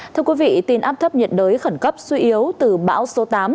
thưa quý vị tin áp thấp nhiệt đới khẩn cấp suy yếu từ bão số tám